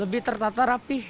lebih tertata rapih